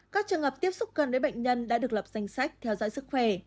các trường hợp tiếp xúc gần với bệnh nhân đã được lập danh sách theo dõi sức khỏe